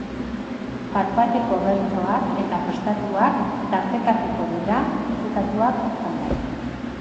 Bat-bateko bertsoak eta prestatuak tartekatuko dira, musikatuak zenbait.